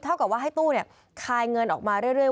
กับว่าให้ตู้คายเงินออกมาเรื่อย